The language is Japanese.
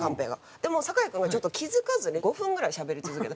でも酒井君がちょっと気付かずに５分ぐらいしゃべり続けて。